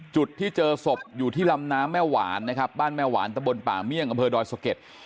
จุดที่เจอศพอยู่ที่ลำน้ำแม่หวานนะครับบ้านแม่หวานตะบนป่าเมี่ยงอำเภอดอยสะเก็ด